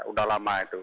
sudah lama itu